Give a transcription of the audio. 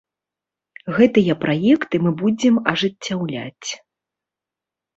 Гэтыя праекты мы будзем ажыццяўляць.